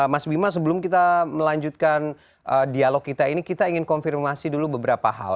mas bima sebelum kita melanjutkan dialog kita ini kita ingin konfirmasi dulu beberapa hal